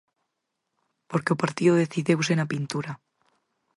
Porque o partido decidiuse na pintura.